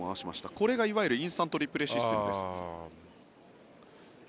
これがいわゆるインスタントリプレーシステムです。